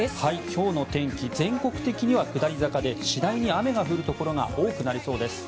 今日の天気全国的には下り坂で次第に雨が降るところが多くなりそうです。